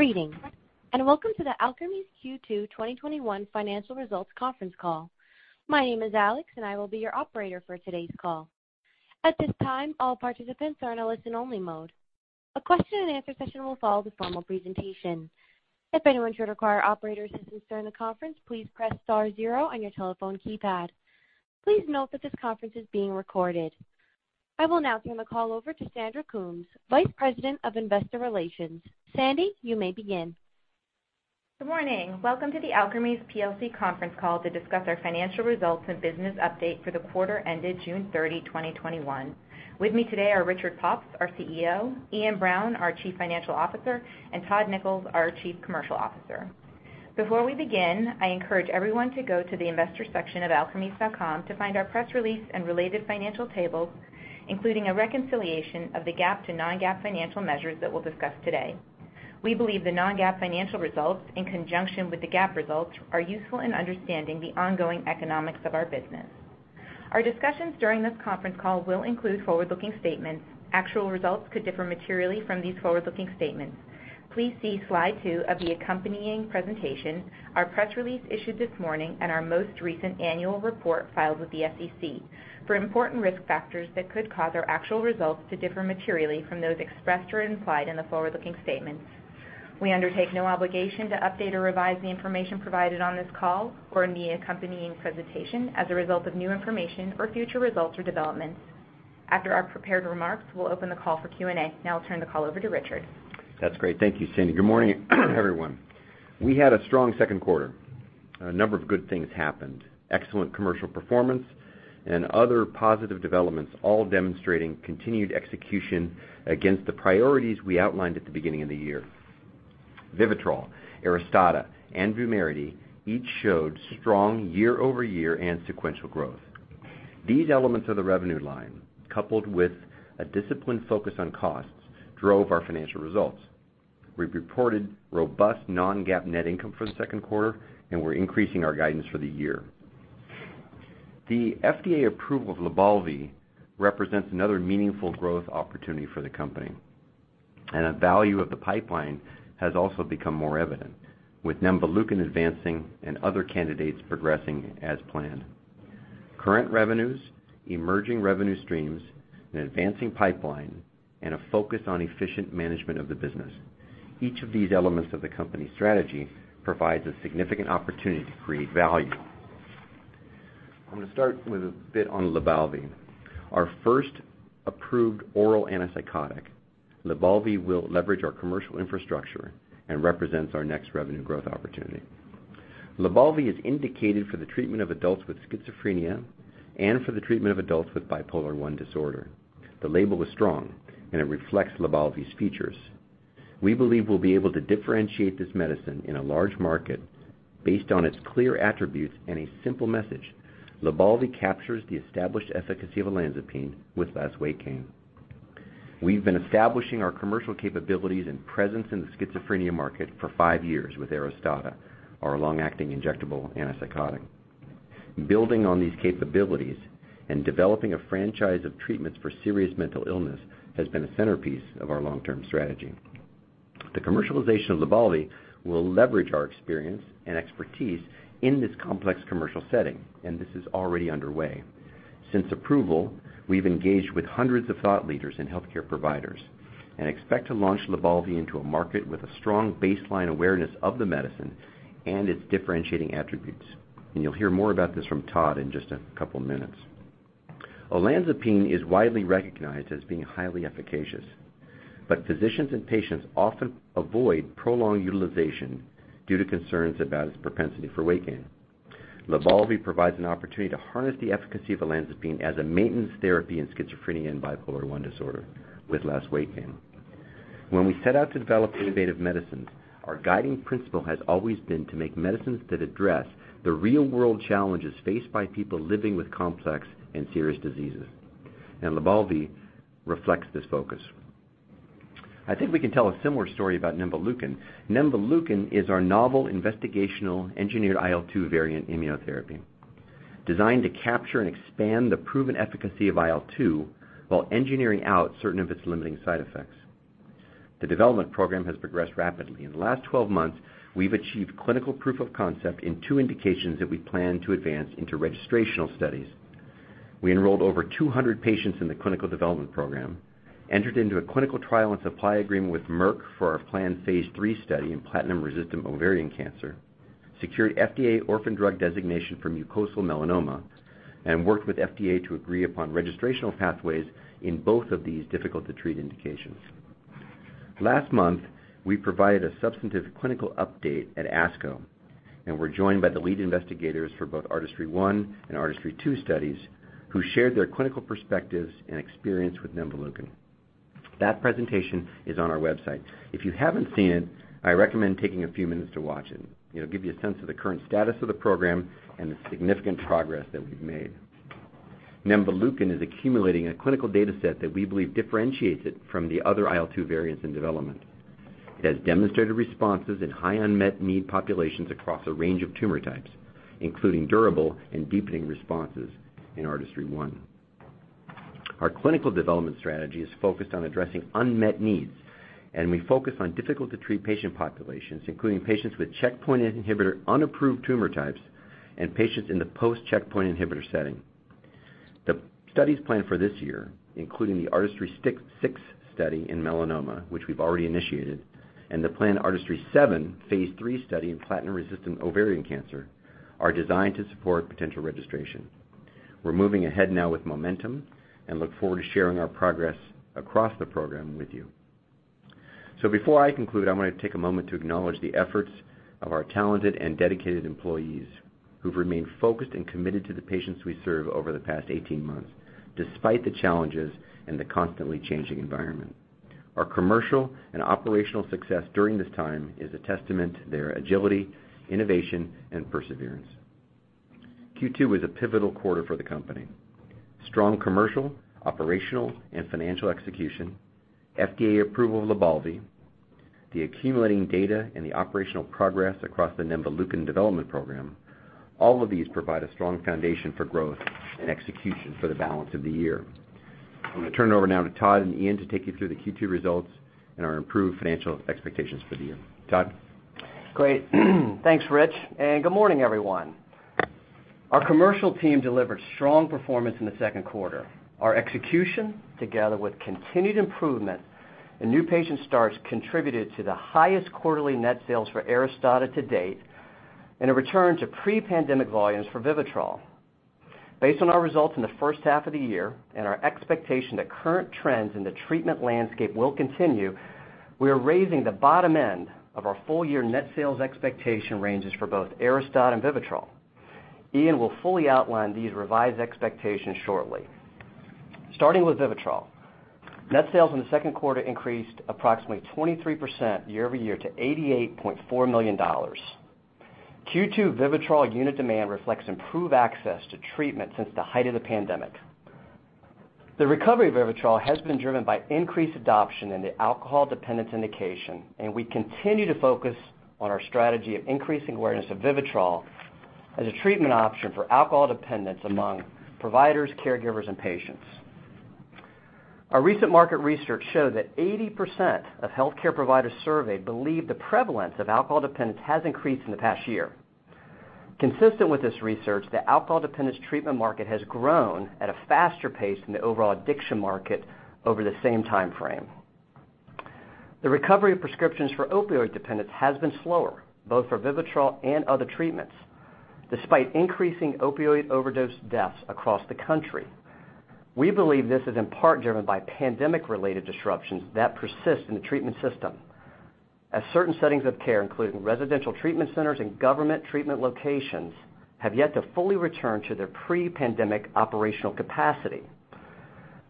Greetings, and welcome to the Alkermes Q2 2021 Financial Results Conference Call. My name is Alex, and I will be your operator for today's call. At this time, all participants are in a listen only mode. A question-and-answer session will follow the formal presentation. If anyone should require operator assistance during the conference, please press star zero on your telephone keypad. Please note that this conference is being recorded. I will now turn the call over to Sandy Coombs, Vice President of Investor Relations. Sandy, you may begin. Good morning. Welcome to the Alkermes PLC conference call to discuss our financial results and business update for the quarter ended June 30, 2021. With me today are Richard Pops, our CEO, Iain Brown, our Chief Financial Officer, and Todd Nichols, our Chief Commercial Officer. Before we begin, I encourage everyone to go to the investor section of alkermes.com to find our press release and related financial tables, including a reconciliation of the GAAP to non-GAAP financial measures that we'll discuss today. We believe the non-GAAP financial results, in conjunction with the GAAP results, are useful in understanding the ongoing economics of our business. Our discussions during this conference call will include forward-looking statements. Actual results could differ materially from these forward-looking statements. Please see slide two of the accompanying presentation, our press release issued this morning, and our most recent annual report filed with the SEC for important risk factors that could cause our actual results to differ materially from those expressed or implied in the forward-looking statements. We undertake no obligation to update or revise the information provided on this call or in the accompanying presentation as a result of new information or future results or developments. After our prepared remarks, we'll open the call for Q&A. Now I'll turn the call over to Richard. That's great. Thank you, Sandy. Good morning, everyone. We had a strong second quarter. A number of good things happened. Excellent commercial performance and other positive developments, all demonstrating continued execution against the priorities we outlined at the beginning of the year. VIVITROL, ARISTADA, and VUMERITY each showed strong year-over-year and sequential growth. These elements of the revenue line, coupled with a disciplined focus on costs, drove our financial results. We've reported robust non-GAAP net income for the second quarter, and we're increasing our guidance for the year. The FDA approval of LYBALVI represents another meaningful growth opportunity for the company, and the value of the pipeline has also become more evident with nemvaleukin advancing and other candidates progressing as planned. Current revenues, emerging revenue streams, an advancing pipeline, and a focus on efficient management of the business. Each of these elements of the company's strategy provides a significant opportunity to create value. I'm gonna start with a bit on LYBALVI. Our first approved oral antipsychotic. LYBALVI will leverage our commercial infrastructure and represents our next revenue growth opportunity. LYBALVI is indicated for the treatment of adults with schizophrenia and for the treatment of adults with bipolar I disorder. The label is strong, and it reflects LYBALVI's features. We believe we'll be able to differentiate this medicine in a large market based on its clear attributes and a simple message. LYBALVI captures the established efficacy of olanzapine with less weight gain. We've been establishing our commercial capabilities and presence in the schizophrenia market for five years with ARISTADA, our long-acting injectable antipsychotic. Building on these capabilities and developing a franchise of treatments for serious mental illness has been a centerpiece of our long-term strategy. The commercialization of LYBALVI will leverage our experience and expertise in this complex commercial setting. This is already underway. Since approval, we've engaged with hundreds of thought leaders and healthcare providers and expect to launch LYBALVI into a market with a strong baseline awareness of the medicine and its differentiating attributes. You'll hear more about this from Todd in just a couple minutes. Olanzapine is widely recognized as being highly efficacious. Physicians and patients often avoid prolonged utilization due to concerns about its propensity for weight gain. LYBALVI provides an opportunity to harness the efficacy of olanzapine as a maintenance therapy in schizophrenia and bipolar I disorder with less weight gain. When we set out to develop innovative medicines, our guiding principle has always been to make medicines that address the real-world challenges faced by people living with complex and serious diseases. LYBALVI reflects this focus. I think we can tell a similar story about nemvaleukin. nemvaleukin is our novel investigational engineered IL-2 variant immunotherapy designed to capture and expand the proven efficacy of IL-2 while engineering out certain of its limiting side effects. The development program has progressed rapidly. In the last 12 months, we've achieved clinical proof of concept in two indications that we plan to advance into registrational studies. We enrolled over 200 patients in the clinical development program, entered into a clinical trial and supply agreement with Merck for our planned phase III study in platinum-resistant ovarian cancer, secured FDA Orphan Drug Designation for mucosal melanoma, and worked with FDA to agree upon registrational pathways in both of these difficult to treat indications. Last month, we provided a substantive clinical update at ASCO, and were joined by the lead investigators for both ARTISTRY-1 and ARTISTRY-2 studies, who shared their clinical perspectives and experience with nemvaleukin. That presentation is on our website. If you haven't seen it, I recommend taking a few minutes to watch it. It'll give you a sense of the current status of the program and the significant progress that we've made. nemvaleukin is accumulating a clinical data set that we believe differentiates it from the other IL-2 variants in development. It has demonstrated responses in high unmet need populations across a range of tumor types, including durable and deepening responses in ARTISTRY-1. Our clinical development strategy is focused on addressing unmet needs, and we focus on difficult-to-treat patient populations, including patients with checkpoint inhibitor unapproved tumor types and patients in the post-checkpoint inhibitor setting. The studies planned for this year, including the ARTISTRY-6 study in melanoma, which we've already initiated, and the planned ARTISTRY-7 phase IIi study in platinum-resistant ovarian cancer, are designed to support potential registration. We're moving ahead now with momentum and look forward to sharing our progress across the program with you. Before I conclude, I want to take a moment to acknowledge the efforts of our talented and dedicated employees who've remained focused and committed to the patients we serve over the past 18 months, despite the challenges and the constantly changing environment. Our commercial and operational success during this time is a testament to their agility, innovation, and perseverance. Q2 was a pivotal quarter for the company. Strong commercial, operational, and financial execution, FDA approval of LYBALVI, the accumulating data, and the operational progress across the nemvaleukin development program. All of these provide a strong foundation for growth and execution for the balance of the year. I'm going to turn it over now to Todd and Iain to take you through the Q2 results and our improved financial expectations for the year. Todd? Great. Thanks, Rich, and good morning, everyone. Our commercial team delivered strong performance in the second quarter. Our execution, together with continued improvement in new patient starts, contributed to the highest quarterly net sales for ARISTADA to date and a return to pre-pandemic volumes for VIVITROL. Based on our results in the first half of the year and our expectation that current trends in the treatment landscape will continue, we are raising the bottom end of our full-year net sales expectation ranges for both ARISTADA and VIVITROL. Iain will fully outline these revised expectations shortly. Starting with VIVITROL, net sales in the second quarter increased approximately 23% year-over-year to $88.4 million. Q2 VIVITROL unit demand reflects improved access to treatment since the height of the pandemic. The recovery of VIVITROL has been driven by increased adoption in the alcohol dependence indication, and we continue to focus on our strategy of increasing awareness of VIVITROL as a treatment option for alcohol dependence among providers, caregivers, and patients. Our recent market research showed that 80% of healthcare providers surveyed believe the prevalence of alcohol dependence has increased in the past year. Consistent with this research, the alcohol dependence treatment market has grown at a faster pace than the overall addiction market over the same timeframe. The recovery of prescriptions for opioid dependence has been slower, both for VIVITROL and other treatments, despite increasing opioid overdose deaths across the country. We believe this is in part driven by pandemic-related disruptions that persist in the treatment system, as certain settings of care, including residential treatment centers and government treatment locations, have yet to fully return to their pre-pandemic operational capacity.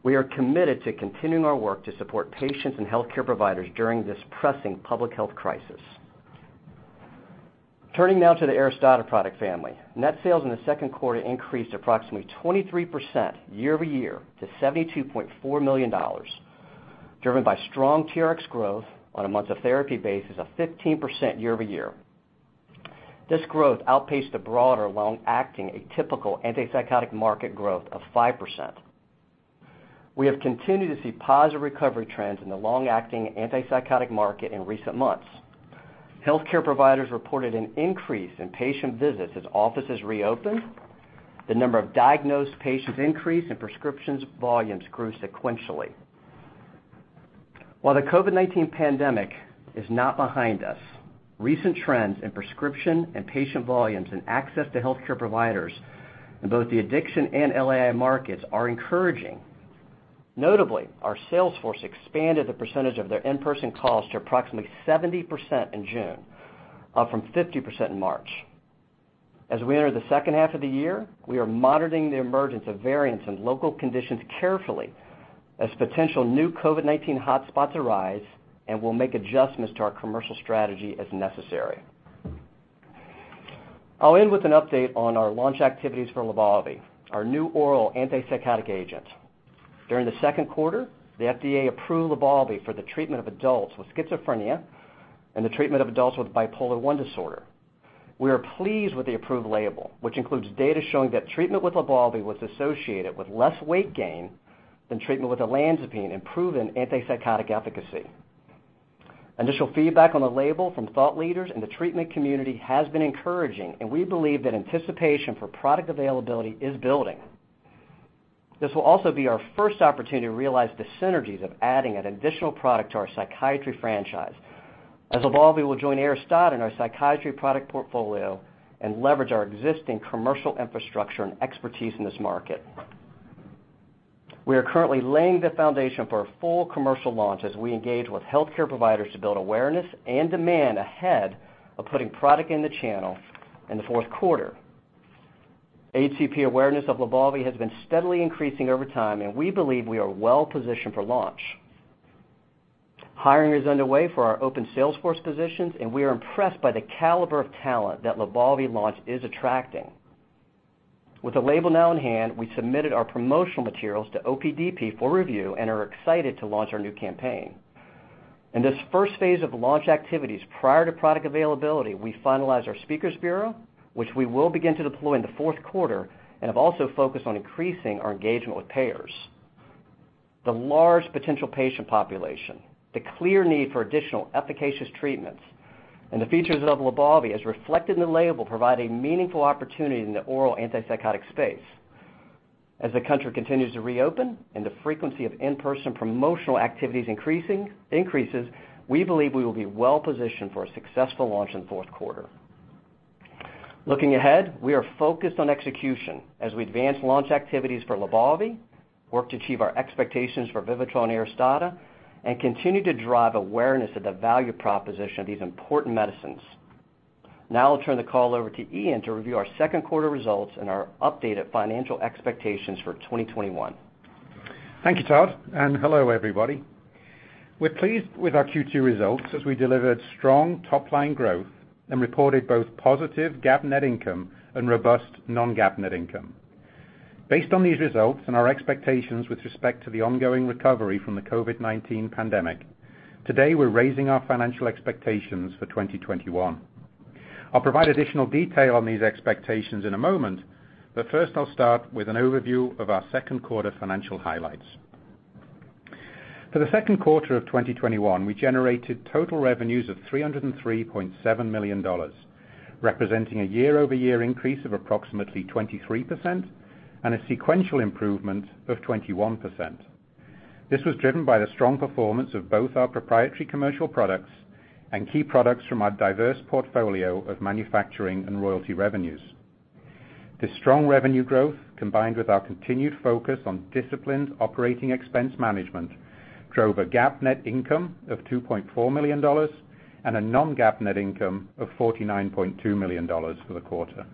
We are committed to continuing our work to support patients and healthcare providers during this pressing public health crisis. Turning now to the ARISTADA product family. Net sales in the second quarter increased approximately 23% year-over-year to $72.4 million, driven by strong TRx growth on a months of therapy basis of 15% year-over-year. This growth outpaced the broader long-acting atypical antipsychotic market growth of 5%. We have continued to see positive recovery trends in the long-acting antipsychotic market in recent months. Healthcare providers reported an increase in patient visits as offices reopened, the number of diagnosed patients increased, and prescriptions volumes grew sequentially. While the COVID-19 pandemic is not behind us, recent trends in prescription and patient volumes and access to healthcare providers in both the addiction and LAI markets are encouraging. Notably, our sales force expanded the percentage of their in-person calls to approximately 70% in June, up from 50% in March. As we enter the second half of the year, we are monitoring the emergence of variants and local conditions carefully as potential new COVID-19 hotspots arise, and we'll make adjustments to our commercial strategy as necessary. I'll end with an update on our launch activities for LYBALVI, our new oral antipsychotic agent. During the second quarter, the FDA approved LYBALVI for the treatment of adults with schizophrenia and the treatment of adults with bipolar I disorder. We are pleased with the approved label, which includes data showing that treatment with LYBALVI was associated with less weight gain than treatment with olanzapine and proven antipsychotic efficacy. Initial feedback on the label from thought leaders in the treatment community has been encouraging, and we believe that anticipation for product availability is building. This will also be our first opportunity to realize the synergies of adding an additional product to our psychiatry franchise, as LYBALVI will join ARISTADA in our psychiatry product portfolio and leverage our existing commercial infrastructure and expertise in this market. We are currently laying the foundation for a full commercial launch as we engage with healthcare providers to build awareness and demand ahead of putting product in the channel in the fourth quarter. HCP awareness of LYBALVI has been steadily increasing over time, and we believe we are well positioned for launch. Hiring is underway for our open sales force positions, and we are impressed by the caliber of talent that LYBALVI launch is attracting. With the label now in hand, we submitted our promotional materials to OPDP for review and are excited to launch our new campaign. In this first phase of launch activities prior to product availability, we finalized our speakers bureau, which we will begin to deploy in the fourth quarter, and have also focused on increasing our engagement with payers. The large potential patient population, the clear need for additional efficacious treatments, and the features of LYBALVI, as reflected in the label, provide a meaningful opportunity in the oral antipsychotic space. As the country continues to reopen and the frequency of in-person promotional activities increases, we believe we will be well-positioned for a successful launch in the fourth quarter. Looking ahead, we are focused on execution as we advance launch activities for LYBALVI, work to achieve our expectations for VIVITROL and ARISTADA, and continue to drive awareness of the value proposition of these important medicines. Now I'll turn the call over to Iain to review our second quarter results and our updated financial expectations for 2021. Thank you, Todd, and hello, everybody. We're pleased with our Q2 results as we delivered strong top-line growth and reported both positive GAAP net income and robust non-GAAP net income. Based on these results and our expectations with respect to the ongoing recovery from the COVID-19 pandemic, today, we're raising our financial expectations for 2021. I'll provide additional detail on these expectations in a moment, but first, I'll start with an overview of our second quarter financial highlights. For the second quarter of 2021, we generated total revenues of $303.7 million, representing a year-over-year increase of approximately 23% and a sequential improvement of 21%. This was driven by the strong performance of both our proprietary commercial products and key products from our diverse portfolio of manufacturing and royalty revenues. This strong revenue growth, combined with our continued focus on disciplined operating expense management, drove a GAAP net income of $2.4 million and a non-GAAP net income of $49.2 million for the quarter.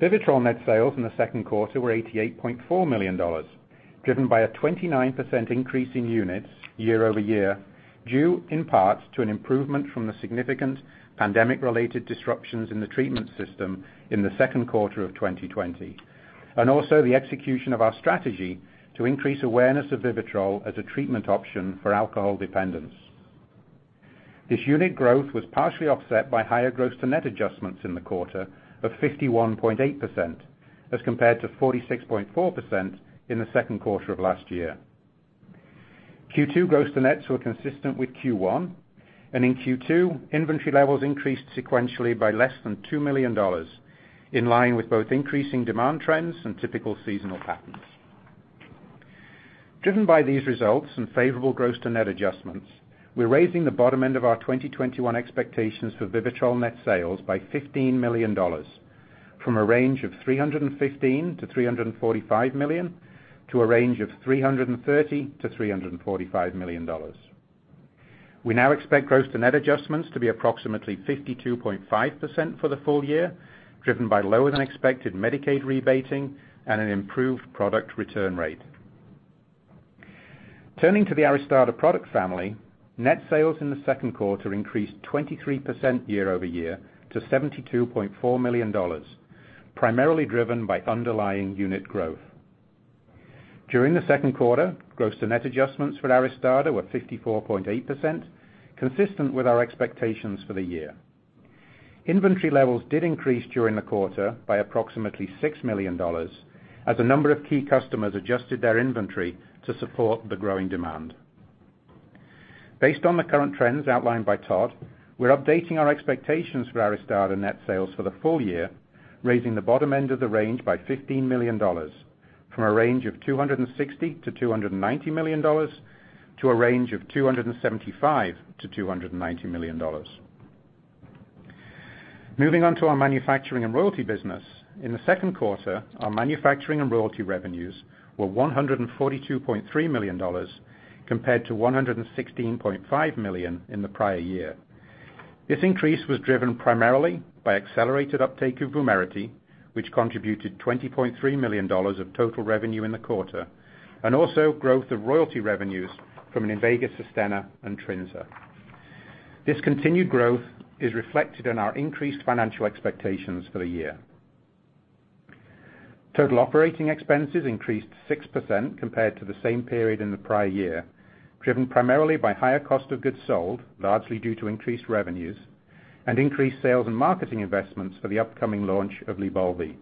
VIVITROL net sales in the second quarter were $88.4 million, driven by a 29% increase in units year-over-year, due in part to an improvement from the significant pandemic-related disruptions in the treatment system in the second quarter of 2020. Also, the execution of our strategy to increase awareness of VIVITROL as a treatment option for alcohol dependence. This unit growth was partially offset by higher gross-to-net adjustments in the quarter of 51.8%, as compared to 46.4% in the second quarter of last year. Q2 gross to nets were consistent with Q1, and in Q2, inventory levels increased sequentially by less than $2 million, in line with both increasing demand trends and typical seasonal patterns. Driven by these results and favorable gross-to-net adjustments, we're raising the bottom end of our 2021 expectations for VIVITROL net sales by $15 million, from a range of $315 million to $345 million to a range of $330 million to $345 million. We now expect gross-to-net adjustments to be approximately 52.5% for the full-year, driven by lower-than-expected Medicaid rebating and an improved product return rate. Turning to the ARISTADA product family, net sales in the second quarter increased 23% year-over-year to $72.4 million, primarily driven by underlying unit growth. During the second quarter, gross-to-net adjustments for ARISTADA were 54.8%, consistent with our expectations for the year. Inventory levels did increase during the quarter by approximately $6 million, as a number of key customers adjusted their inventory to support the growing demand. Based on the current trends outlined by Todd, we're updating our expectations for ARISTADA net sales for the full-year, raising the bottom end of the range by $15 million, from a range of $260 million to $290 million to a range of $275 million to $290 million. Moving on to our manufacturing and royalty business. In the second quarter, our manufacturing and royalty revenues were $142.3 million, compared to $116.5 million in the prior year. This increase was driven primarily by accelerated uptake of VUMERITY, which contributed $20.3 million of total revenue in the quarter, and also growth of royalty revenues from INVEGA, SUSTENNA and TRINZA. This continued growth is reflected in our increased financial expectations for the year. Total operating expenses increased 6% compared to the same period in the prior year, driven primarily by higher cost of goods sold, largely due to increased revenues, and increased sales and marketing investments for the upcoming launch of LYBALVI.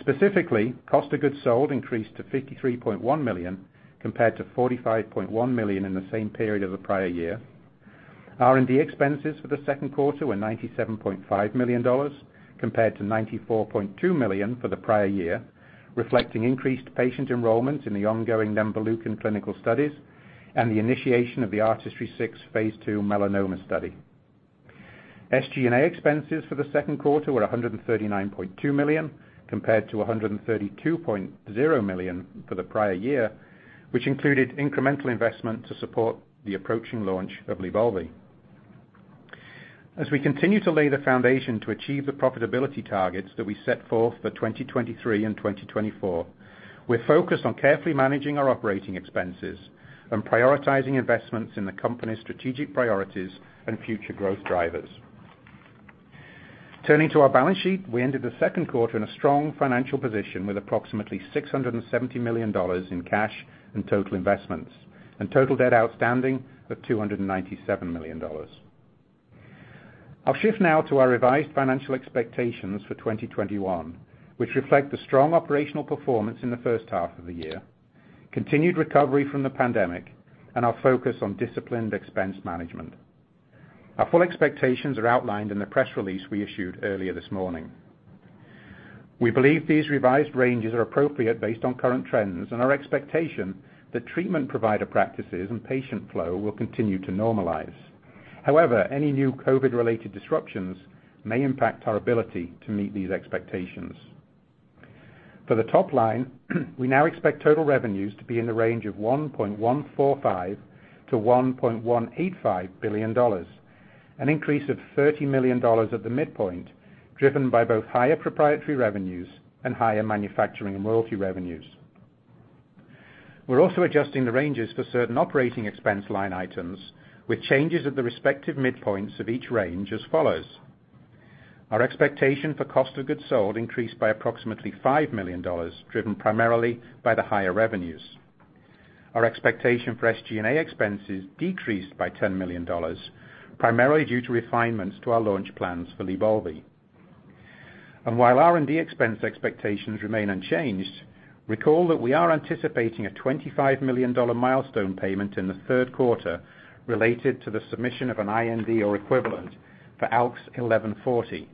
Specifically, cost of goods sold increased to $53.1 million compared to $45.1 million in the same period of the prior year. R&D expenses for the second quarter were $97.5 million, compared to $94.2 million for the prior year, reflecting increased patient enrollment in the ongoing nemvaleukin clinical studies and the initiation of the ARTISTRY-6 phase II melanoma study. SG&A expenses for the second quarter were $139.2 million, compared to $132.0 million for the prior year, which included incremental investment to support the approaching launch of LYBALVI. As we continue to lay the foundation to achieve the profitability targets that we set forth for 2023 and 2024, we're focused on carefully managing our operating expenses and prioritizing investments in the company's strategic priorities and future growth drivers. Turning to our balance sheet, we ended the second quarter in a strong financial position with approximately $670 million in cash and total investments, and total debt outstanding of $297 million. I'll shift now to our revised financial expectations for 2021, which reflect the strong operational performance in the first half of the year, continued recovery from the pandemic, and our focus on disciplined expense management. Our full expectations are outlined in the press release we issued earlier this morning. We believe these revised ranges are appropriate based on current trends and our expectation that treatment provider practices and patient flow will continue to normalize. However, any new COVID-related disruptions may impact our ability to meet these expectations. For the top line, we now expect total revenues to be in the range of $1.145 billion-$1.185 billion, an increase of $30 million at the midpoint, driven by both higher proprietary revenues and higher manufacturing and royalty revenues. We're also adjusting the ranges for certain operating expense line items with changes at the respective midpoints of each range as follows. Our expectation for cost of goods sold increased by approximately $5 million, driven primarily by the higher revenues. Our expectation for SG&A expenses decreased by $10 million, primarily due to refinements to our launch plans for LYBALVI. While R&D expense expectations remain unchanged, recall that we are anticipating a $25 million milestone payment in the third quarter related to the submission of an IND or equivalent for ALKS 1140,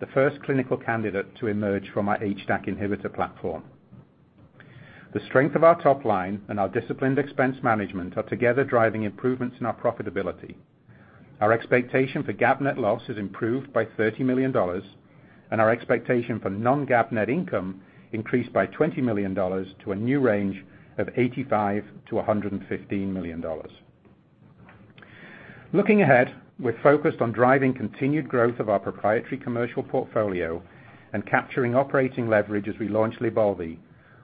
the first clinical candidate to emerge from our HDAC inhibitor platform. The strength of our top line and our disciplined expense management are together driving improvements in our profitability. Our expectation for GAAP net loss has improved by $30 million, and our expectation for non-GAAP net income increased by $20 million to a new range of $85 million to $115 million. Looking ahead, we're focused on driving continued growth of our proprietary commercial portfolio and capturing operating leverage as we launch LYBALVI,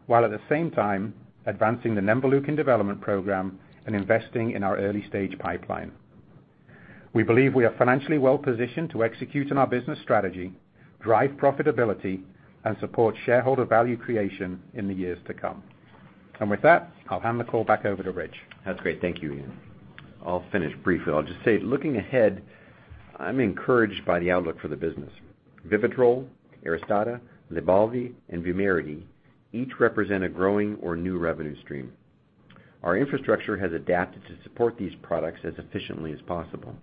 while at the same time advancing the nemvaleukin development program and investing in our early-stage pipeline. We believe we are financially well positioned to execute on our business strategy, drive profitability, and support shareholder value creation in the years to come. With that, I'll hand the call back over to Rich. That's great. Thank you, Iain. I'll finish briefly. I'll just say, looking ahead, I'm encouraged by the outlook for the business. VIVITROL, ARISTADA, LYBALVI, and VUMERITY each represent a growing or new revenue stream. Our infrastructure has adapted to support these products as efficiently as possible.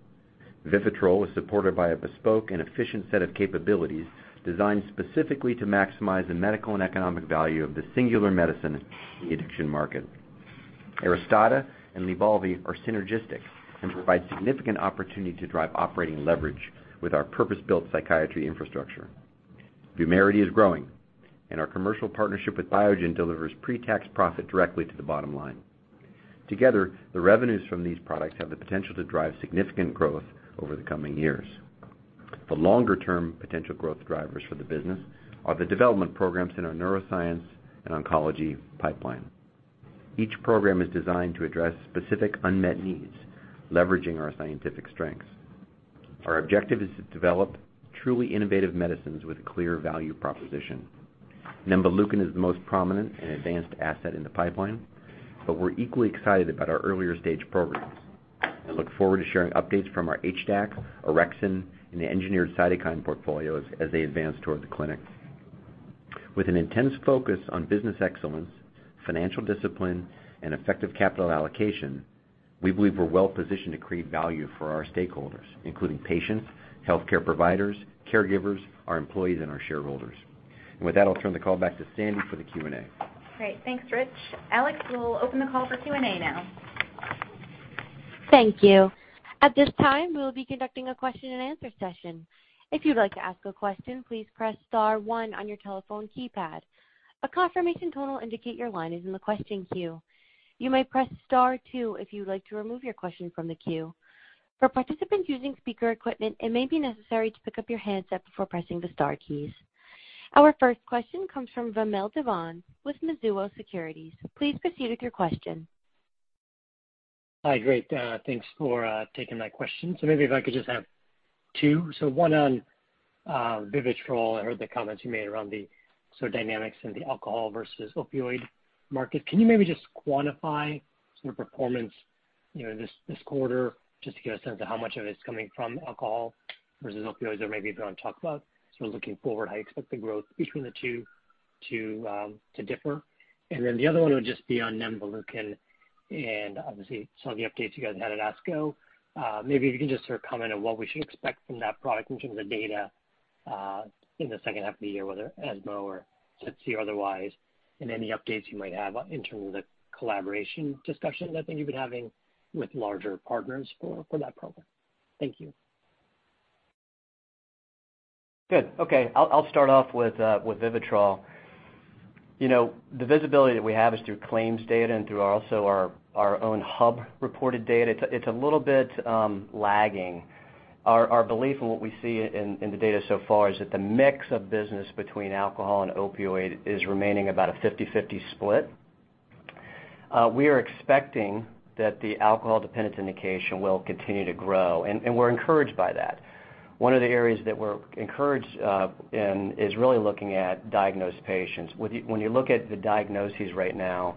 VIVITROL is supported by a bespoke and efficient set of capabilities designed specifically to maximize the medical and economic value of the singular medicine in the addiction market. ARISTADA and LYBALVI are synergistic and provide significant opportunity to drive operating leverage with our purpose-built psychiatry infrastructure. VUMERITY is growing, and our commercial partnership with Biogen delivers pre-tax profit directly to the bottom line. Together, the revenues from these products have the potential to drive significant growth over the coming years. The longer-term potential growth drivers for the business are the development programs in our neuroscience and oncology pipeline. Each program is designed to address specific unmet needs, leveraging our scientific strengths. Our objective is to develop truly innovative medicines with a clear value proposition. nemvaleukin is the most prominent and advanced asset in the pipeline, but we're equally excited about our earlier-stage programs, and look forward to sharing updates from our HDAC, orexin, and engineered cytokine portfolios as they advance toward the clinic. With an intense focus on business excellence, financial discipline, and effective capital allocation, we believe we're well positioned to create value for our stakeholders, including patients, healthcare providers, caregivers, our employees, and our shareholders. With that, I'll turn the call back to Sandy for the Q&A.. Great. Thanks, Rich. Alex, we'll open the call for Q&A now. Thank you. At this time, we will be conducting a question-and-answer session. If you'd like to ask a question, please press star one on your telephone keypad. A confirmation tone will indicate your line is in the question queue. You may press star two if you would like to remove your question from the queue. For participants using speaker equipment, it may be necessary to pick up your handset before pressing the star keys. Our first question comes from Vamil Divan with Mizuho Securities. Please proceed with your question. Hi. Great. Thanks for taking my question. Maybe if I could just have two. One on VIVITROL. I heard the comments you made around the sort of dynamics in the alcohol versus opioid market. Can you maybe just quantify sort of performance this quarter just to get a sense of how much of it is coming from alcohol versus opioids? Maybe if you want to talk about sort of looking forward how you expect the growth between the two to differ. Then the other one would just be on nemvaleukin and obviously some of the updates you guys had at ASCO. Maybe if you can just sort of comment on what we should expect from that product in terms of data in the second half of the year, whether ESMO or to see otherwise, and any updates you might have in terms of the collaboration discussions I think you've been having with larger partners for that program. Thank you. Good. Okay. I'll start off with VIVITROL. The visibility that we have is through claims data and through also our own hub-reported data. It's a little bit lagging. Our belief in what we see in the data so far is that the mix of business between alcohol and opioid is remaining about a 50/50 split. We are expecting that the alcohol dependence indication will continue to grow, and we're encouraged by that. One of the areas that we're encouraged in is really looking at diagnosed patients. When you look at the diagnoses right now,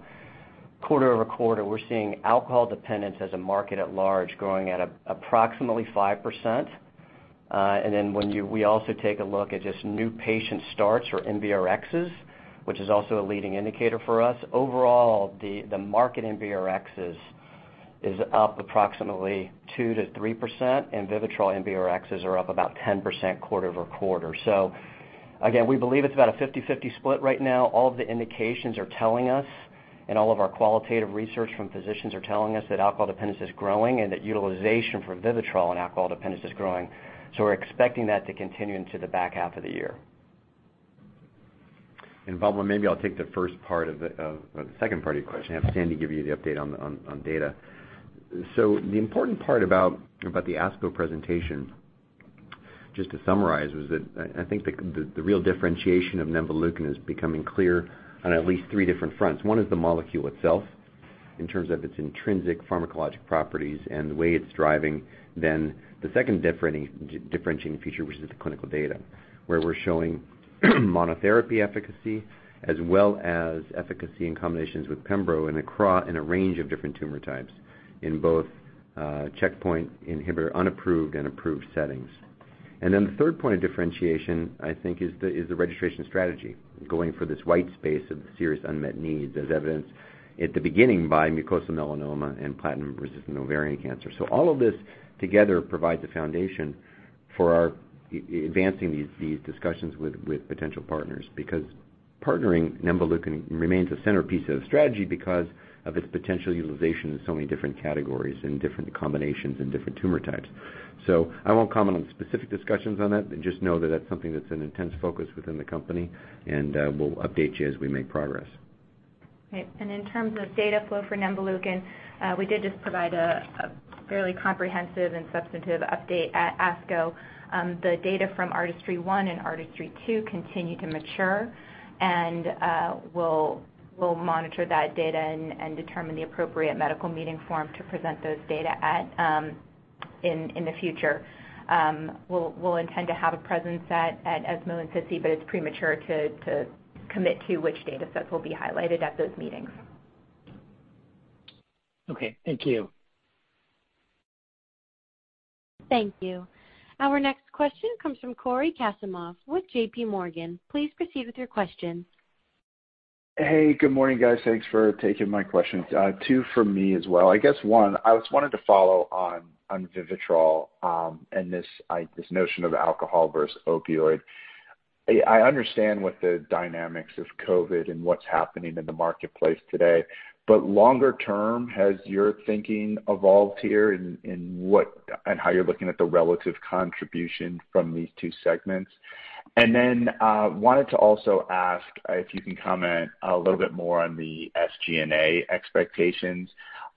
quarter-over-quarter, we're seeing alcohol dependence as a market at large growing at approximately 5%. When we also take a look at just new patient starts or NBRx, which is also a leading indicator for us. Overall, the market NBRx is up approximately 2%-3%, and VIVITROL NBRx are up about 10% quarter-over-quarter. Again, we believe it's about a 50/50 split right now. All of the indications are telling us, and all of our qualitative research from physicians are telling us that alcohol dependence is growing and that utilization for VIVITROL in alcohol dependence is growing. We're expecting that to continue into the back half of the year. Vamil, maybe I'll take the second part of your question, have Sandy give you the update on data. The important part about the ASCO presentation, just to summarize, was that I think the real differentiation of nemvaleukin is becoming clear on at least three different fronts. One is the molecule itself in terms of its intrinsic pharmacologic properties and the way it's driving. The second differentiating feature was just the clinical data, where we're showing monotherapy efficacy as well as efficacy in combinations with pembro in a range of different tumor types in both checkpoint inhibitor, unapproved and approved settings. The third point of differentiation, I think, is the registration strategy, going for this white space of serious unmet needs, as evidenced at the beginning by mucosal melanoma and platinum-resistant ovarian cancer. All of this together provides a foundation for advancing these discussions with potential partners, because partnering nemvaleukin remains a centerpiece of the strategy because of its potential utilization in so many different categories and different combinations and different tumor types. I won't comment on specific discussions on that, but just know that that's something that's an intense focus within the company, and we'll update you as we make progress. Great. In terms of data flow for nemvaleukin, we did just provide a fairly comprehensive and substantive update at ASCO. The data from ARTISTRY-1 and ARTISTRY-2 continue to mature, and we'll monitor that data and determine the appropriate medical meeting forum to present those data at in the future. We'll intend to have a presence at ESMO and SITC, but it's premature to commit to which data sets will be highlighted at those meetings. Okay. Thank you. Thank you. Our next question comes from Cory Kasimov with JP Morgan. Please proceed with your questions. Hey, good morning, guys. Thanks for taking my questions. Two from me as well. I guess one, I just wanted to follow on VIVITROL and this notion of alcohol versus opioid. I understand with the dynamics of COVID and what's happening in the marketplace today, longer term, has your thinking evolved here in how you're looking at the relative contribution from these two segments? Wanted to also ask if you can comment a little bit more on the SG&A expectations.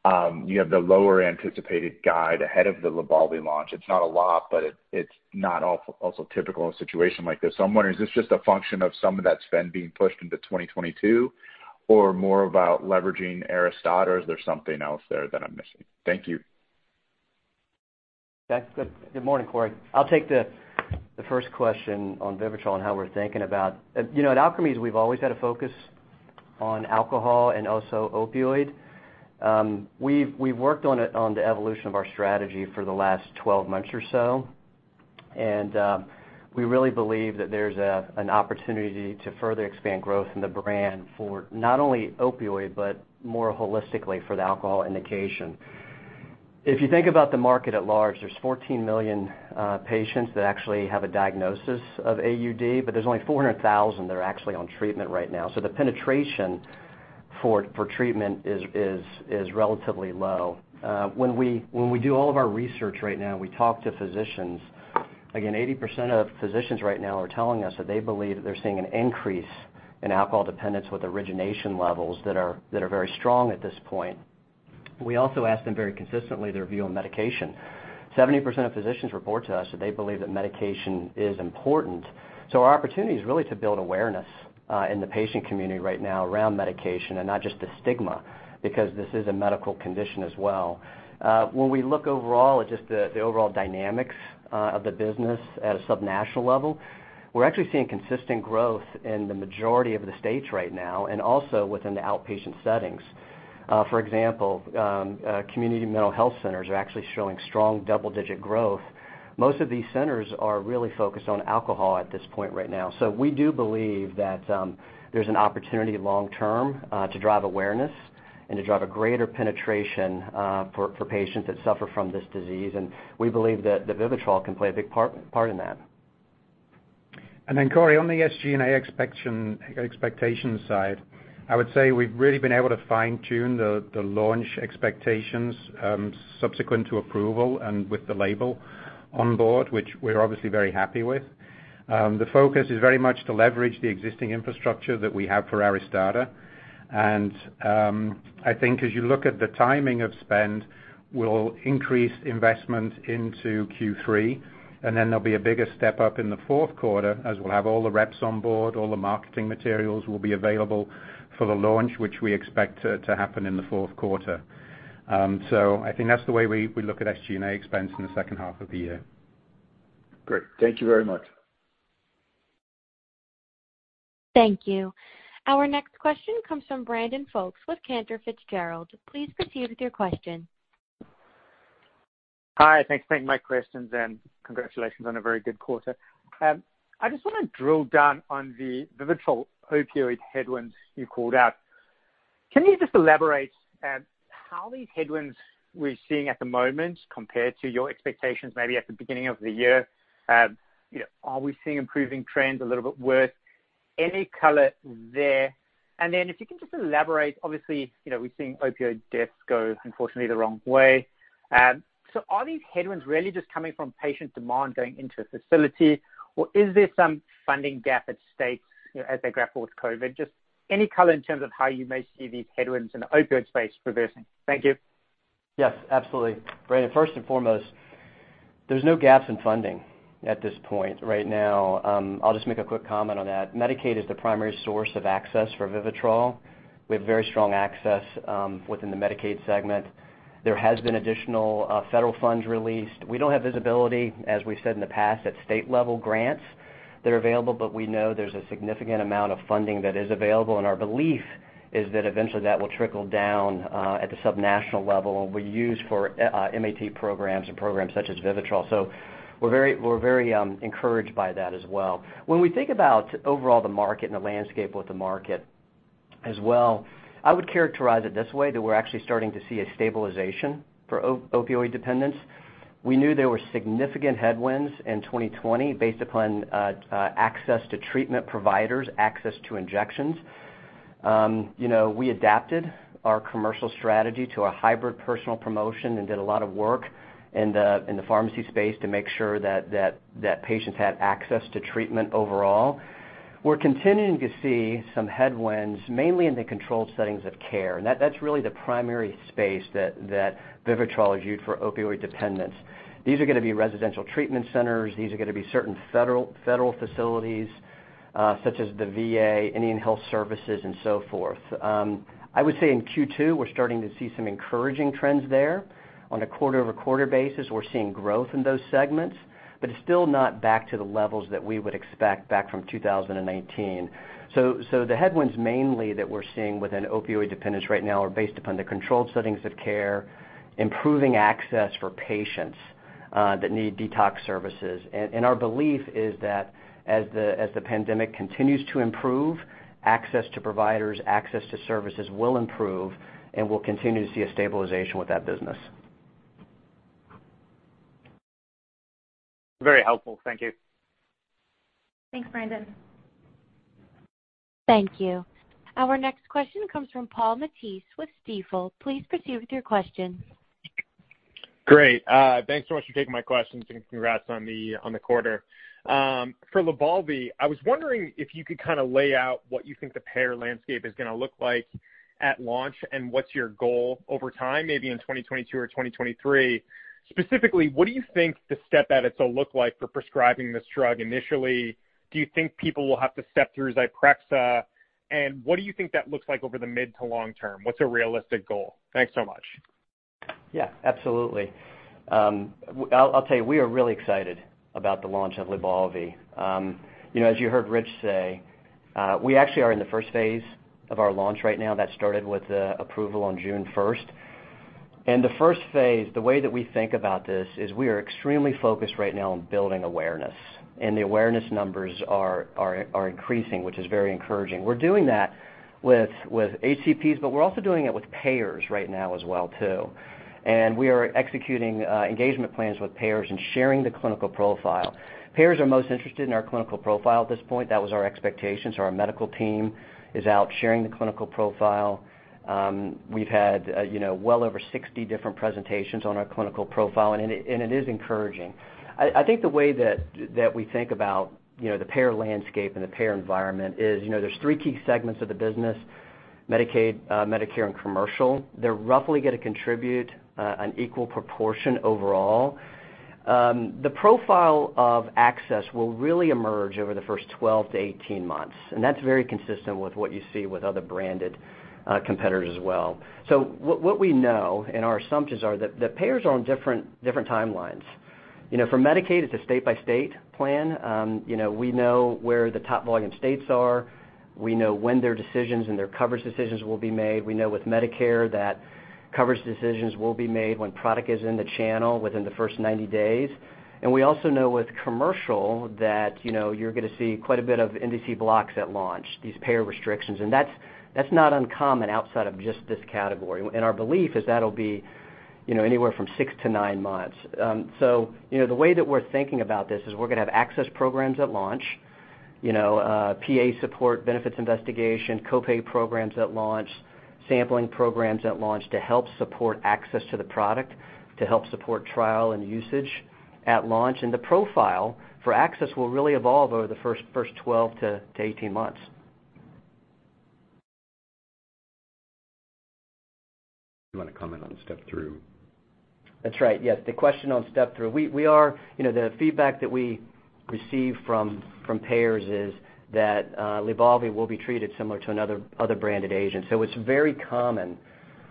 You have the lower anticipated guide ahead of the LYBALVI launch. It's not a lot, it's not also typical in a situation like this. I'm wondering, is this just a function of some of that spend being pushed into 2022 or more about leveraging ARISTADA or is there something else there that I'm missing? Thank you. Good morning, Cory Kasimov. I'll take the first question on VIVITROL. At Alkermes, we've always had a focus on alcohol and also opioid. We've worked on the evolution of our strategy for the last 12 months or so. We really believe that there's an opportunity to further expand growth in the brand for not only opioid, but more holistically for the alcohol indication. If you think about the market at large, there's 14 million patients that actually have a diagnosis of AUD. There's only 400,000 that are actually on treatment right now. The penetration for treatment is relatively low. When we do all of our research right now, we talk to physicians. Again, 80% of physicians right now are telling us that they believe that they're seeing an increase in alcohol dependence with origination levels that are very strong at this point. We also ask them very consistently their view on medication. 70% of physicians report to us that they believe that medication is important. Our opportunity is really to build awareness in the patient community right now around medication and not just the stigma, because this is a medical condition as well. When we look overall at just the overall dynamics of the business at a sub-national level, we're actually seeing consistent growth in the majority of the states right now, and also within the outpatient settings. For example, community mental health centers are actually showing strong double-digit growth. Most of these centers are really focused on alcohol at this point right now. We do believe that there's an opportunity long term to drive awareness and to drive a greater penetration for patients that suffer from this disease, and we believe that VIVITROL can play a big part in that. Cory, on the SG&A expectation side, I would say we've really been able to fine-tune the launch expectations subsequent to approval and with the label on board, which we're obviously very happy with. The focus is very much to leverage the existing infrastructure that we have for ARISTADA. I think as you look at the timing of spend, we'll increase investment into Q3, then there'll be a bigger step up in the fourth quarter as we'll have all the reps on board, all the marketing materials will be available for the launch, which we expect to happen in the fourth quarter. I think that's the way we look at SG&A expense in the second half of the year. Great. Thank you very much. Thank you. Our next question comes from Brandon Folkes with Cantor Fitzgerald. Please proceed with your question. Hi. Thanks for taking my questions. Congratulations on a very good quarter. I just want to drill down on the Vivitrol opioid headwinds you called out. Can you just elaborate how these headwinds we're seeing at the moment compare to your expectations maybe at the beginning of the year? Are we seeing improving trends a little bit worse? Any color there? If you can just elaborate, obviously, we're seeing opioid deaths go, unfortunately, the wrong way. Are these headwinds really just coming from patient demand going into a facility, or is there some funding gap at stakes as they grapple with COVID? Just any color in terms of how you may see these headwinds in the opioid space reversing. Thank you. Yes, absolutely. Brandon, first and foremost, there's no gaps in funding at this point right now. I'll just make a quick comment on that. Medicaid is the primary source of access for VIVITROL. We have very strong access within the Medicaid segment. There has been additional federal funds released. We don't have visibility, as we've said in the past, at state-level grants that are available, but we know there's a significant amount of funding that is available, and our belief is that eventually that will trickle down at the sub-national level and will be used for MAT programs and programs such as VIVITROL. We're very encouraged by that as well. When we think about overall the market and the landscape with the market as well, I would characterize it this way, that we're actually starting to see a stabilization for opioid dependence. We knew there were significant headwinds in 2020 based upon access to treatment providers, access to injections. We adapted our commercial strategy to a hybrid personal promotion and did a lot of work in the pharmacy space to make sure that patients had access to treatment overall. We're continuing to see some headwinds, mainly in the controlled settings of care. That's really the primary space that Vivitrol is used for opioid dependence. These are going to be residential treatment centers. These are going to be certain federal facilities, such as the VA, Indian Health Service, and so forth. I would say in Q2, we're starting to see some encouraging trends there. On a quarter-over-quarter basis, we're seeing growth in those segments, but it's still not back to the levels that we would expect back from 2019. The headwinds mainly that we're seeing within opioid dependence right now are based upon the controlled settings of care, improving access for patients that need detox services. Our belief is that as the pandemic continues to improve, access to providers, access to services will improve, and we'll continue to see a stabilization with that business. Very helpful. Thank you. Thanks, Brandon. Thank you. Our next question comes from Paul Matteis with Stifel. Please proceed with your question. Great. Thanks so much for taking my questions, and congrats on the quarter. For LYBALVI, I was wondering if you could lay out what you think the payer landscape is going to look like at launch, and what's your goal over time, maybe in 2022 or 2023. Specifically, what do you think the step edits will look like for prescribing this drug initially? Do you think people will have to step through ZYPREXA, and what do you think that looks like over the mid to long term? What's a realistic goal? Thanks so much. Yeah, absolutely. I'll tell you, we are really excited about the launch of LYBALVI. As you heard Richard Pops say, we actually are in the first phase of our launch right now. That started with the approval on June 1st. The first phase, the way that we think about this is we are extremely focused right now on building awareness, and the awareness numbers are increasing, which is very encouraging. We're doing that with HCPs, but we're also doing it with payers right now as well, too. We are executing engagement plans with payers and sharing the clinical profile. Payers are most interested in our clinical profile at this point. That was our expectation, so our medical team is out sharing the clinical profile. We've had well over 60 different presentations on our clinical profile, and it is encouraging. I think the way that we think about the payer landscape and the payer environment is there's three key segments of the business, Medicaid, Medicare, and commercial. They're roughly going to contribute an equal proportion overall. The profile of access will really emerge over the first 12 to 18 months, and that's very consistent with what you see with other branded competitors as well. What we know and our assumptions are that the payers are on different timelines. For Medicaid, it's a state-by-state plan. We know where the top volume states are. We know when their decisions and their coverage decisions will be made. We know with Medicare that coverage decisions will be made when product is in the channel within the first 90 days. We also know with commercial that you're going to see quite a bit of NDC blocks at launch, these payer restrictions, and that's not uncommon outside of just this category. Our belief is that'll be anywhere from six to nine months. The way that we're thinking about this is we're going to have access programs at launch, PA support, benefits investigation, co-pay programs at launch, sampling programs at launch to help support access to the product, to help support trial and usage at launch. The profile for access will really evolve over the first 12 to 18 months. You want to comment on the step through? That's right. Yes. The question on step through. The feedback that we receive from payers is that LYBALVI will be treated similar to other branded agents. It's very common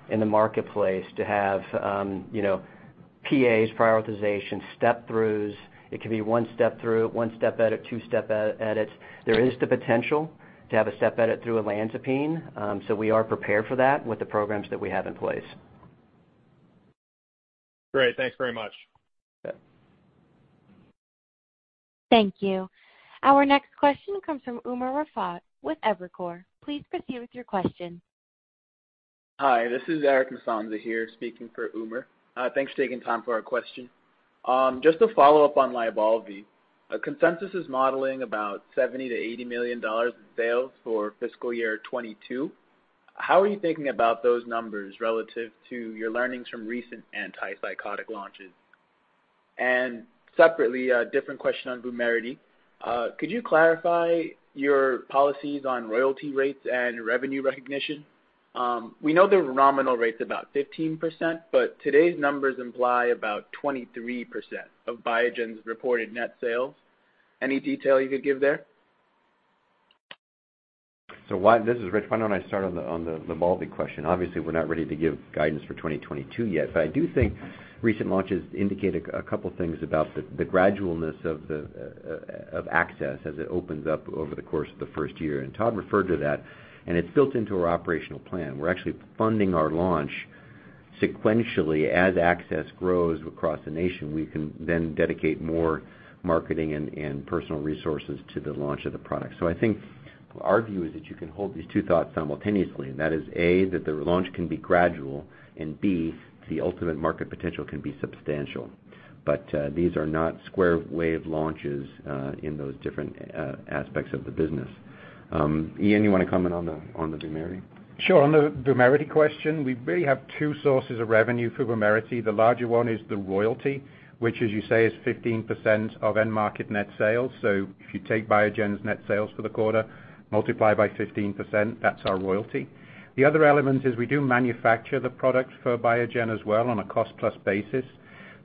in the marketplace to have PAs, prioritization, step throughs. It can be one step through, one step edit, two step edits. There is the potential to have a step edit through olanzapine. We are prepared for that with the programs that we have in place. Great. Thanks very much. Yeah. Thank you. Our next question comes from Umer Raffat with Evercore. Please proceed with your question. Hi, this is Eric Musonza here speaking for Umer. Thanks for taking time for our question. Just to follow up on LYBALVI. A consensus is modeling about $70 million to $80 million in sales for fiscal year 2022. Separately, a different question on VUMERITY. Could you clarify your policies on royalty rates and revenue recognition? We know the nominal rate's about 15%, but today's numbers imply about 23% of Biogen's reported net sales. Any detail you could give there? This is Rich. Why don't I start on the LYBALVI question? Obviously, we're not ready to give guidance for 2022 yet. I do think recent launches indicate a couple of things about the gradualness of access as it opens up over the course of the first year, and Todd referred to that, and it's built into our operational plan. We're actually funding our launch sequentially as access grows across the nation. We can then dedicate more marketing and personal resources to the launch of the product. I think our view is that you can hold these two thoughts simultaneously, and that is, A, that the launch can be gradual, and B, the ultimate market potential can be substantial. These are not square wave launches in those different aspects of the business. Ian, you want to comment on the VUMERITY? On the VUMERITY question, we really have two sources of revenue for VUMERITY. The larger one is the royalty, which as you say, is 15% of end market net sales. If you take Biogen's net sales for the quarter, multiply by 15%, that's our royalty. The other element is we do manufacture the product for Biogen as well on a cost-plus basis.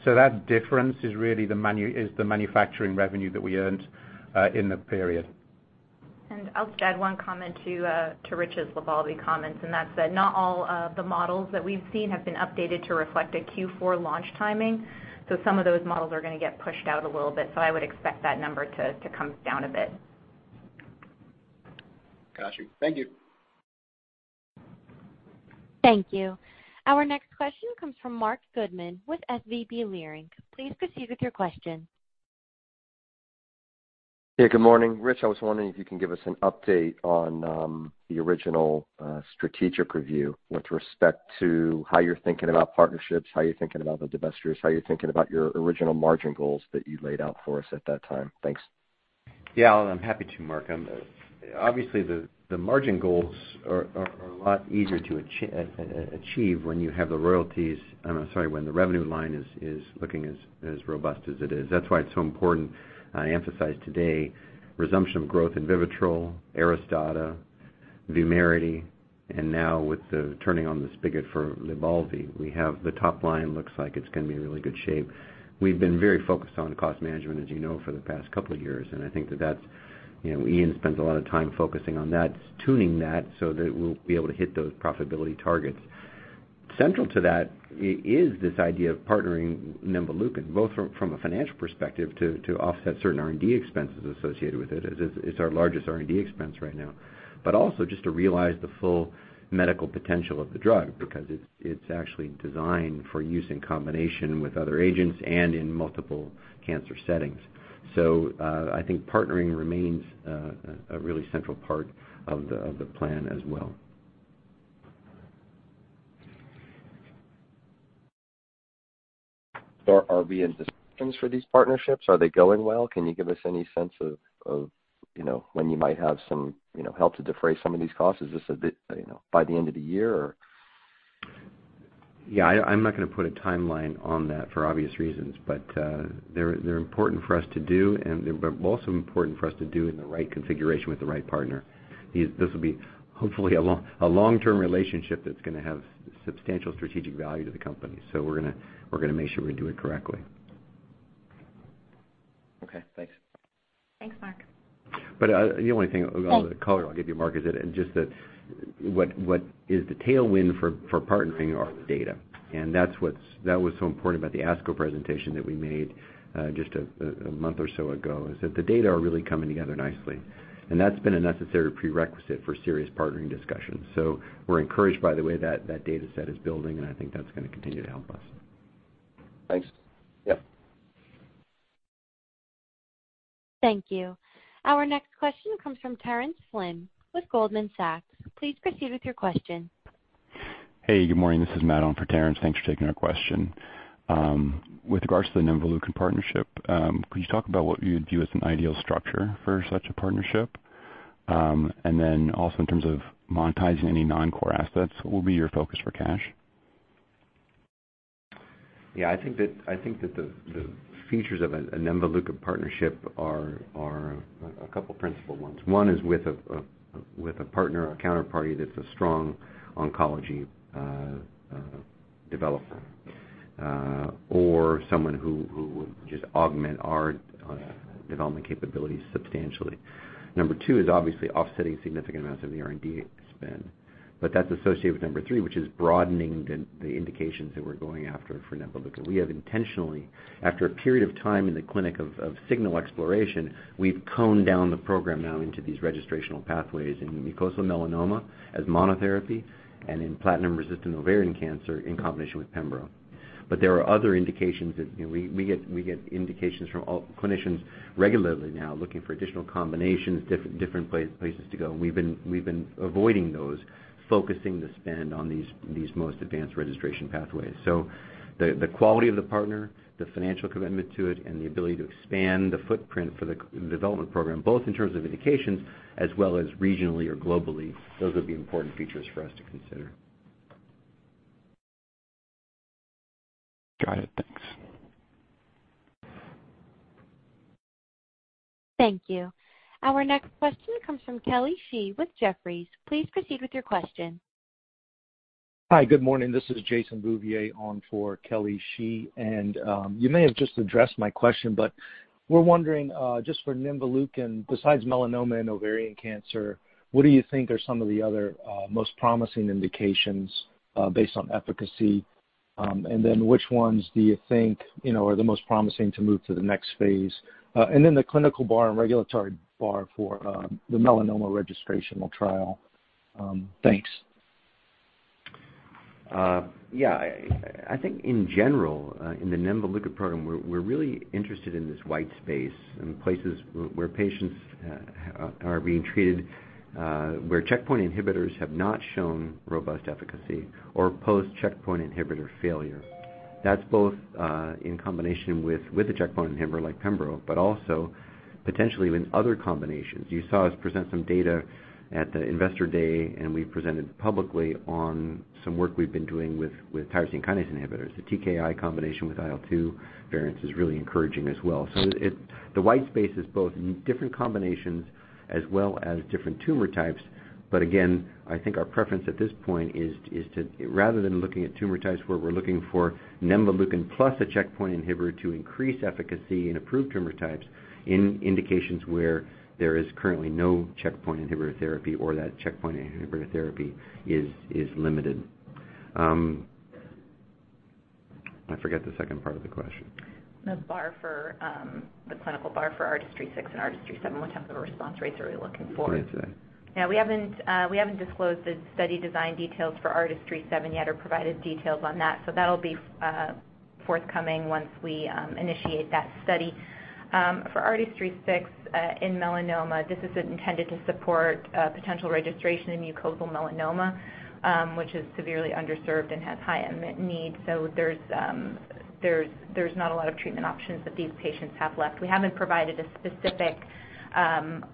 That difference is really the manufacturing revenue that we earned in the period. I'll just add one comment to Rich's LYBALVI comments, and that's that not all of the models that we've seen have been updated to reflect a Q4 launch timing. Some of those models are going to get pushed out a little bit. I would expect that number to come down a bit. Got you. Thank you. Thank you. Our next question comes from Marc Goodman with SVB Leerink. Please proceed with your question. Yeah, good morning. Rich, I was wondering if you can give us an update on the original strategic review with respect to how you're thinking about partnerships, how you're thinking about the divestitures, how you're thinking about your original margin goals that you laid out for us at that time? Thanks. Yeah, I'm happy to, Marc. Obviously, the margin goals are a lot easier to achieve when the revenue line is looking as robust as it is. That's why it's so important I emphasize today resumption of growth in VIVITROL, ARISTADA, VUMERITY, now with the turning on the spigot for LYBALVI, we have the top line looks like it's going to be in really good shape. We've been very focused on cost management, as you know, for the past couple of years, I think that Iain spends a lot of time focusing on that, tuning that so that we'll be able to hit those profitability targets. Central to that is this idea of partnering nemvaleukin, both from a financial perspective to offset certain R&D expenses associated with it, as it's our largest R&D expense right now, but also just to realize the full medical potential of the drug because it's actually designed for use in combination with other agents and in multiple cancer settings. I think partnering remains a really central part of the plan as well. Are we in discussions for these partnerships? Are they going well? Can you give us any sense of when you might have some help to defray some of these costs? Is this by the end of the year or? Yeah, I'm not going to put a timeline on that for obvious reasons, but they're important for us to do, and they're also important for us to do in the right configuration with the right partner. This will be hopefully a long-term relationship that's going to have substantial strategic value to the company. We're going to make sure we do it correctly. Okay, thanks. Thanks, Marc. But the only thing Thanks The color I'll give you, Marc, is just that what is the tailwind for partnering our data, and that was so important about the ASCO presentation that we made just a month or so ago, is that the data are really coming together nicely, and that's been a necessary prerequisite for serious partnering discussions. We're encouraged by the way that data set is building, and I think that's going to continue to help us. Thanks. Yeah. Thank you. Our next question comes from Terence Flynn with Goldman Sachs. Please proceed with your question. Hey, good morning. This is Matt on for Terence. Thanks for taking our question. With regards to the nemvaleukin partnership, could you talk about what you'd view as an ideal structure for such a partnership? Also in terms of monetizing any non-core assets, what will be your focus for cash? Yeah, I think that the features of a nemvaleukin partnership are a couple of principal ones. One is with a partner or counterparty that's a strong oncology developer. Someone who would just augment our development capabilities substantially. Number two is obviously offsetting significant amounts of the R&D spend, but that's associated with Number three, which is broadening the indications that we're going after for nemvaleukin. We have intentionally, after a period of time in the clinic of signal exploration, we've combed down the program now into these registrational pathways in mucosal melanoma as monotherapy and in platinum-resistant ovarian cancer in combination with pembrolizumab. There are other indications that we get indications from all clinicians regularly now looking for additional combinations, different places to go, and we've been avoiding those, focusing the spend on these most advanced registration pathways. The quality of the partner, the financial commitment to it, and the ability to expand the footprint for the development program, both in terms of indications as well as regionally or globally, those would be important features for us to consider. Got it. Thanks. Thank you. Our next question comes from Kelly Shi with Jefferies. Please proceed with your question. Hi, good morning. This is Jason Bouvier on for Kelly Shi. You may have just addressed my question, but we're wondering just for nemvaleukin, besides melanoma and ovarian cancer, what do you think are some of the other most promising indications based on efficacy? Which ones do you think are the most promising to move to the next phase? The clinical bar and regulatory bar for the melanoma registrational trial. Thanks. Yeah. I think in general, in the nemvaleukin program, we're really interested in this white space and places where patients are being treated where checkpoint inhibitors have not shown robust efficacy or post-checkpoint inhibitor failure. That's both in combination with a checkpoint inhibitor like pembrolizumab, also potentially with other combinations. You saw us present some data at the investor day, and we presented publicly on some work we've been doing with tyrosine kinase inhibitors. The TKI combination with IL-2 variants is really encouraging as well. The white space is both different combinations as well as different tumor types. Again, I think our preference at this point is to, rather than looking at tumor types, where we're looking for nemvaleukin plus a checkpoint inhibitor to increase efficacy in approved tumor types in indications where there is currently no checkpoint inhibitor therapy or that checkpoint inhibitor therapy is limited. I forget the second part of the question. The clinical bar for ARTISTRY-6 and ARTISTRY-7, what type of a response rates are we looking for? Rate. Yeah, we haven't disclosed the study design details for ARTISTRY-7 yet or provided details on that. That'll be forthcoming once we initiate that study. For ARTISTRY-6 in melanoma, this is intended to support potential registration in mucosal melanoma, which is severely underserved and has high unmet need. There's not a lot of treatment options that these patients have left. We haven't provided a specific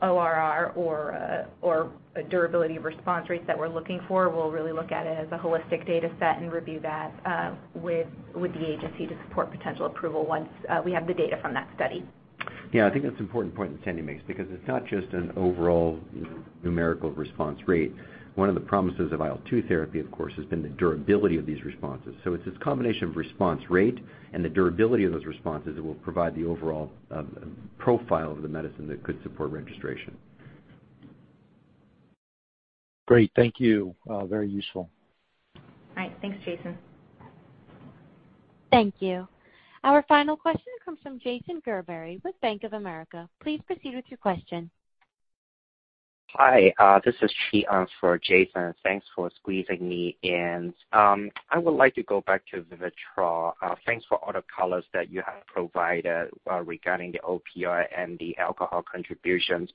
ORR or a durability of response rates that we're looking for. We'll really look at it as a holistic data set and review that with the agency to support potential approval once we have the data from that study. Yeah, I think that's an important point that Sandy makes because it's not just an overall numerical response rate. One of the promises of IL-2 therapy, of course, has been the durability of these responses. It's this combination of response rate and the durability of those responses that will provide the overall profile of the medicine that could support registration. Great. Thank you. Very useful. All right. Thanks, Jason. Thank you. Our final question comes from Jason Gerberry with Bank of America. Please proceed with your question. Hi, this is Chi Anh for Jason. Thanks for squeezing me in. I would like to go back to VIVITROL. Thanks for all the colors that you have provided regarding the opioid and the alcohol contributions.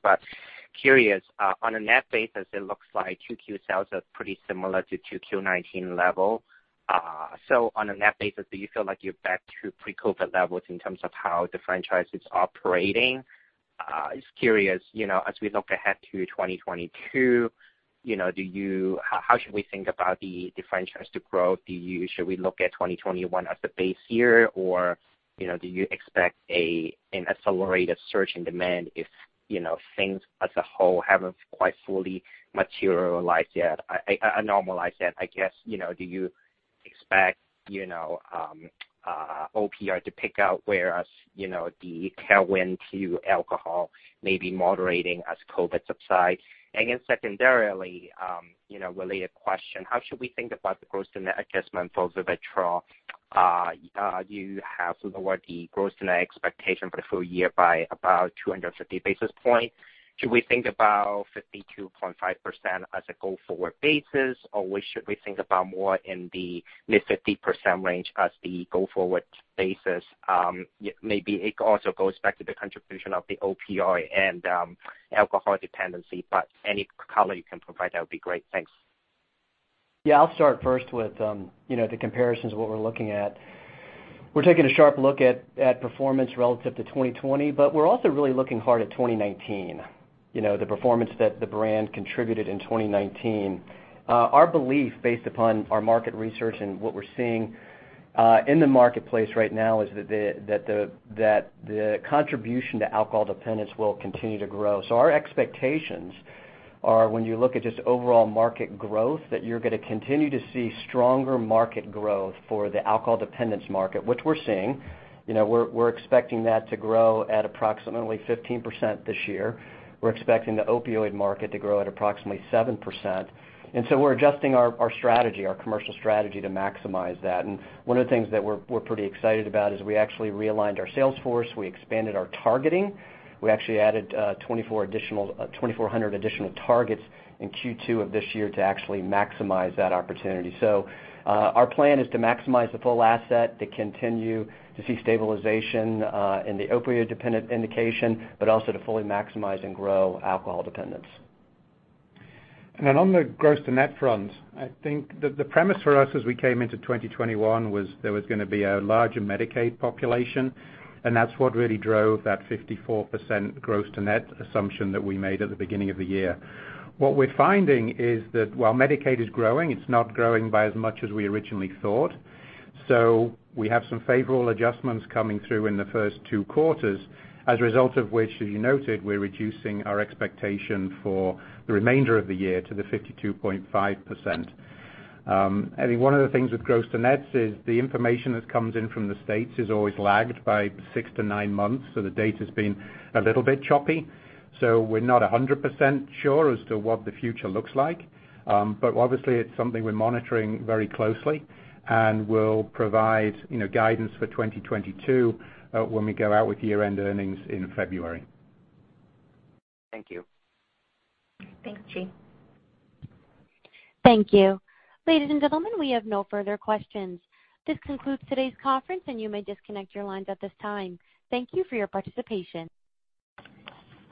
Curious, on a net basis, it looks like 2Q sales are pretty similar to 2Q 2019 level. On a net basis, do you feel like you're back to pre-COVID levels in terms of how the franchise is operating? Just curious, as we look ahead to 2022, how should we think about the franchise to grow? Should we look at 2021 as the base year, or do you expect an accelerated surge in demand if things as a whole haven't quite fully materialized yet? A normalized, I guess. Do you expect opioid to peak out, whereas the tailwind to alcohol may be moderating as COVID subside? Again, secondarily, related question. How should we think about the gross net adjustment for VIVITROL? You have lowered the gross net expectation for the full-year by about 250 basis points. Should we think about 52.5% as a go-forward basis, or should we think about more in the mid-50% range as the go-forward basis? Maybe it also goes back to the contribution of the opioid and alcohol dependency, but any color you can provide, that would be great. Thanks. Yeah, I'll start first with the comparisons of what we're looking at. We're taking a sharp look at performance relative to 2020, but we're also really looking hard at 2019, the performance that the brand contributed in 2019. Our belief, based upon our market research and what we're seeing in the marketplace right now, is that the contribution to alcohol dependence will continue to grow. Our expectations When you look at just overall market growth, that you're going to continue to see stronger market growth for the alcohol dependence market, which we're seeing. We're expecting that to grow at approximately 15% this year. We're expecting the opioid market to grow at approximately 7%. We're adjusting our commercial strategy to maximize that. One of the things that we're pretty excited about is we actually realigned our sales force. We expanded our targeting. We actually added 2,400 additional targets in Q2 of this year to actually maximize that opportunity. Our plan is to maximize the full asset, to continue to see stabilization in the opioid dependent indication, but also to fully maximize and grow alcohol dependence. On the gross to net front, I think the premise for us as we came into 2021 was there was going to be a larger Medicaid population, and that's what really drove that 54% gross to net assumption that we made at the beginning of the year. What we're finding is that while Medicaid is growing, it's not growing by as much as we originally thought. We have some favorable adjustments coming through in the first two quarters as a result of which, as you noted, we're reducing our expectation for the remainder of the year to the 52.5%. I think one of the things with gross to nets is the information that comes in from the states is always lagged by six to nine months, the data's been a little bit choppy. We're not 100% sure as to what the future looks like. Obviously, it's something we're monitoring very closely, and we'll provide guidance for 2022 when we go out with year-end earnings in February. Thank you. Thanks, Chi. Thank you. Ladies and gentlemen, we have no further questions. This concludes today's conference, and you may disconnect your lines at this time. Thank you for your participation.